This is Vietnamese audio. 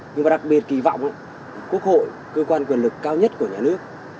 nhưng mà đặc biệt kỳ vọng quốc hội cơ quan quyền lực cao nhất của nhà nước